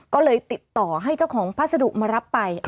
ก็เลยติดต่อให้เจ้าของพัสดุมารับไป